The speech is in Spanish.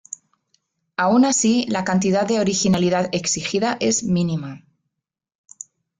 Aun así, la cantidad de originalidad exigida es mínima.